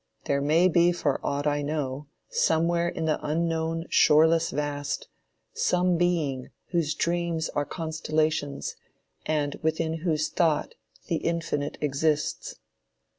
There may be for aught I know, somewhere in the unknown shoreless vast, some being whose dreams are constellations and within whose thought the infinite exists.